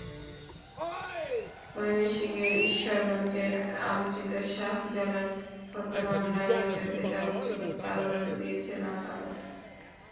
ময়মনসিংহের ঈশ্বরগঞ্জের আলোচিত শাহ জালাল হত্যা মামলায় নয়জনকে যাবজ্জীবন কারাদণ্ড দিয়েছেন আদালত।